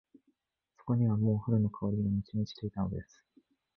そこにはもう春の香りが満ち満ちていたのです。